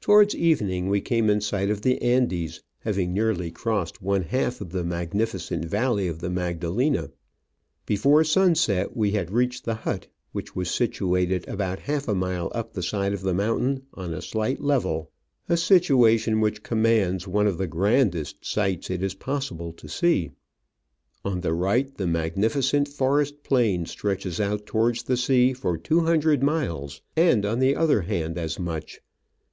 Towards evening we came in sight of the Andes, having nearly crossed one half of the magnificent valley of the Magdalena. Before sunset we had reached the hut, which was situated about half a mile up the side of the mountain on a slight level, a situation which commands one of the grandest sights it is possible to see. On the right the magnificent forest plain stretches out towards the sea for two hundred miles, and on the other hand as much.